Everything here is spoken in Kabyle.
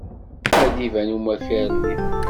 Ad d-iban umakar-nni.